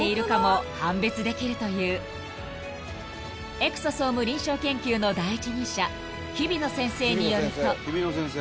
［エクソソーム臨床研究の第一人者日比野先生によると］